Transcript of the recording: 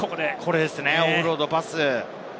オフロードパス。